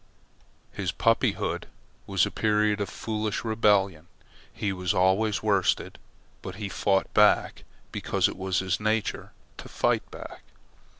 His puppyhood was a period of foolish rebellion. He was always worsted, but he fought back because it was his nature to fight back.